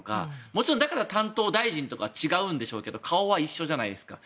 もちろん、だから担当大臣とか違うんでしょうけども顔は一緒じゃないですか。